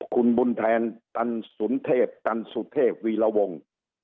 คุณบุญแทนตันสุนเทพตันสุเทพวีรวงศ์